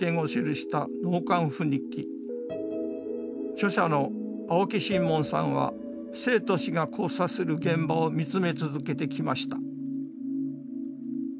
著者の青木新門さんは生と死が交差する現場を見つめ続けてきました。